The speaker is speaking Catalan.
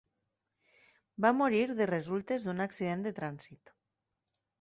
Va morir de resultes d'un accident de trànsit.